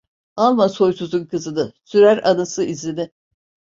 Alma soysuzun kızını, sürer anası izini.